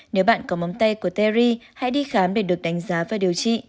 nếu bạn có móng tay của terry hãy đi khám để được đánh giá và điều trị